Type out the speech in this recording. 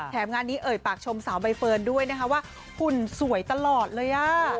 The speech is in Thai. งานนี้เอ่ยปากชมสาวใบเฟิร์นด้วยนะคะว่าหุ่นสวยตลอดเลยอ่ะ